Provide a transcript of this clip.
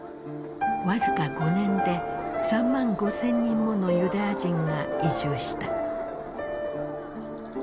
僅か５年で３万５，０００人ものユダヤ人が移住した。